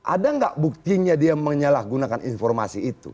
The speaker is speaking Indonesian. ada nggak buktinya dia menyalahgunakan informasi itu